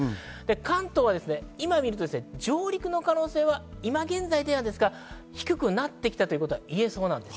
関東は今見ると上陸の可能性は今現在は低くなってきたということがいえそうです。